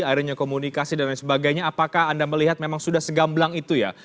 akhirnya komunikasi dan lain sebagainya apakah anda melihat memang sudah segamblang itu ya